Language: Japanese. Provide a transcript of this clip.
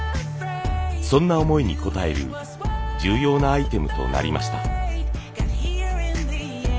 そんな思いに応える重要なアイテムとなりました。